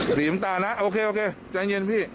สีหิมตานะโอเคใจเย็นพี่